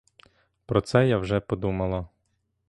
Про це я вже подумала.